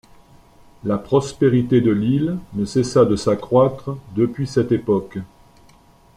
La prospérité de l’île ne cessa de s’accroître depuis cette époque.